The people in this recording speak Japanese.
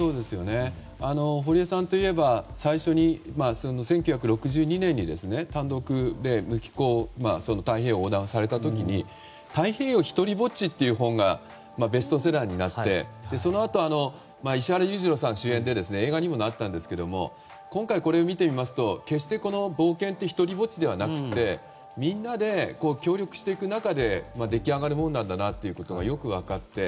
堀江さんといえば最初に１９６２年に単独で無寄港で太平洋を横断された時「太平洋ひとりぼっち」という本がベストセラーになってそのあと石原裕次郎さん主演で映画にもなったんですが今回、これを見てみますと決して冒険ってひとりぼっちではなくてみんなで協力していくなかで出来上がるものだとよく分かって。